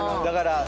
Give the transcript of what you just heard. だから。